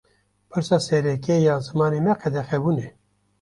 Pirsa sereke ya zimanê me, qedexebûn e